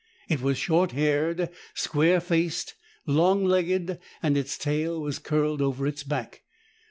It was short haired, square faced, long legged, and its tail was curled over its back.